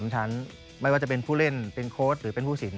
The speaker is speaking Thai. ไม่ว่าจะเป็นผู้เล่นเป็นโค้ดหรือเป็นผู้สิน